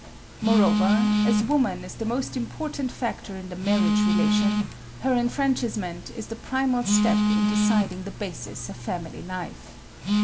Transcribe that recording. "Moreover, as woman is the most important factor in the marriage relation, her enfranchisement is the primal step in deciding the basis of family life.